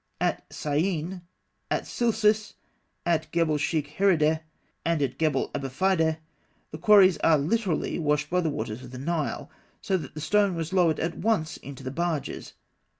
At Syene, at Silsilis, at Gebel Sheikh Herideh, and at Gebel Abûfeydeh, the quarries are literally washed by the waters of the Nile, so that the stone was lowered at once into the barges.